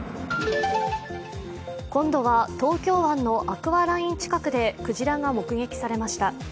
今度は東京湾のアクアライン近くでクジラが目撃されました。